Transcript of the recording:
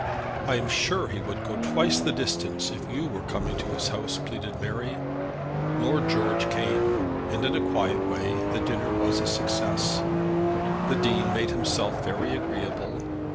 "I am sure he would go twice the distance if you were coming to his house," pleaded Mary. Lord George came, and in a quiet way the dinner was a success. The Dean made himself very agreeable.